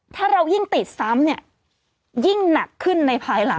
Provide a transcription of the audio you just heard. ถ้าเรายิ่งติดซ้ำเนี่ยยิ่งหนักขึ้นในภายหลัง